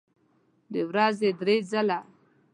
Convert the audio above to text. د ورځې درې ځله